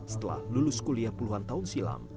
setelah lulus kuliah puluhan tahun silam